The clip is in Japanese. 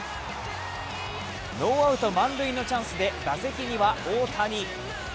ノーアウト満塁のチャンスで打席には大谷。